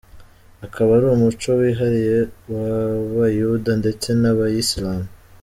Akaba ari umuco wihariye w’Abayuda ndetse n’Abayisilamu.